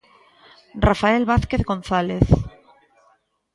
Rafael Vázquez González.